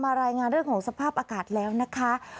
รายงานเรื่องของสภาพอากาศแล้วนะคะ